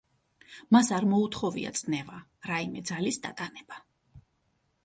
მას არ მოუთხოვია წნევა, რაიმე ძალის დატანება.